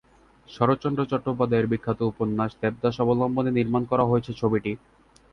শরৎচন্দ্র চট্টোপাধ্যায় এর বিখ্যাত উপন্যাস "দেবদাস" অবলম্বনে নির্মাণ করা হয়েছে ছবিটি।